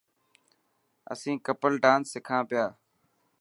اسين ڪپل ڊانس سکان پيا